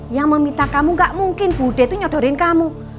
yang meminta kamu nggak mungkin budi itu nyodorin kamu